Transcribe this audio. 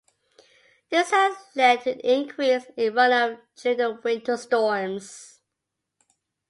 This has led to an increase in runoff during the winter storms.